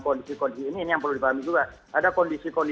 kondisi kondisi ini ini yang perlu dipahami juga ada kondisi kondisi